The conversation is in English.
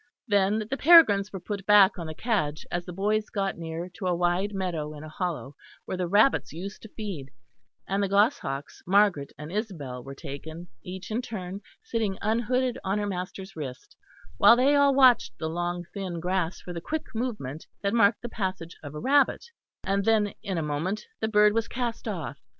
Then the peregrines were put back on the cadge as the boys got near to a wide meadow in a hollow where the rabbits used to feed; and the goshawks Margaret and Isabel were taken, each in turn sitting unhooded on her master's wrist, while they all watched the long thin grass for the quick movement that marked the passage of a rabbit; and then in a moment the bird was cast off.